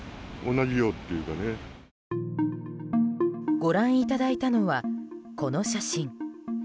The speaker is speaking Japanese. ご覧いただいたのはこの写真。